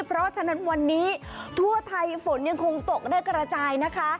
เพราะฉะนั้นวันนี้ทั่วไทยฝนยังคงตกได้กระจายนะคะ